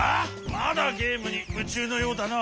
まだゲームにむちゅうのようだな。